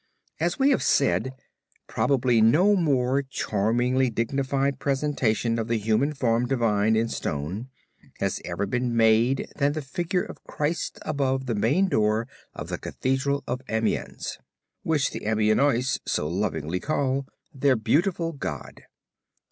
As we have said, probably no more charmingly dignified presentation of the human form divine in stone has ever been made than the figure of Christ above the main door of the cathedral of Amiens, which the Amiennois so lovingly call their "beautiful God."